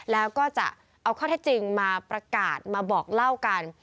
แล้วก็จะเอาข้อเท็จจริงมาประกาศมาบอกเล่ากัน